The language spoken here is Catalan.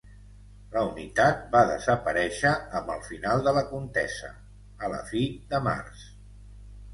La unitat va desaparèixer amb el final de la contesa, a la fi de març.